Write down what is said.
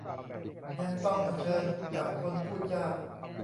ยังต้องเผชิญกับคนพูดยาก